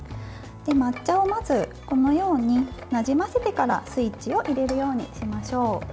抹茶をまずこのようになじませてからスイッチを入れるようにしましょう。